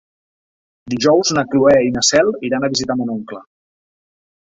Dijous na Cloè i na Cel iran a visitar mon oncle.